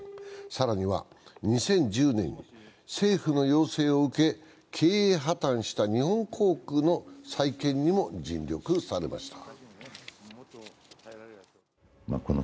更には２０１０年、政府の要請を受け日本航空の再建にも尽力されました。